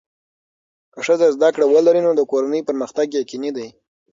که ښځه زده کړه ولري، نو د کورنۍ پرمختګ یقیني دی.